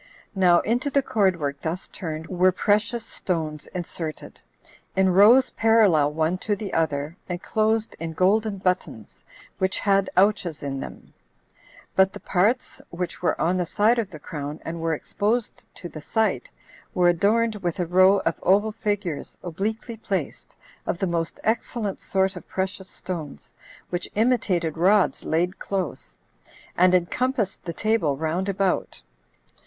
Now into the cordwork thus turned were precious stones inserted, in rows parallel one to the other, enclosed in golden buttons, which had ouches in them; but the parts which were on the side of the crown, and were exposed to the sight, were adorned with a row of oval figures obliquely placed, of the most excellent sort of precious stones, which imitated rods laid close, and encompassed the table round about.